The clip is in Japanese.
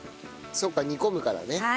そうか煮込むからね。